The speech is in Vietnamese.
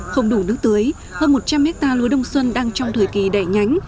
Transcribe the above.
không đủ nước tưới hơn một trăm linh hecta lúa đồng xuân đang trong thời kỳ đẻ nhánh